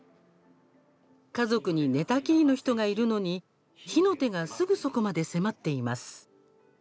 家族に寝たきりの人がいるのに火の手が、すぐそこまで迫っています。